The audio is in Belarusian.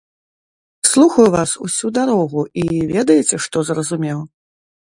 Слухаю вас усю дарогу і, ведаеце, што зразумеў?